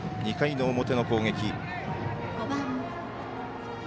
２回の表の攻撃。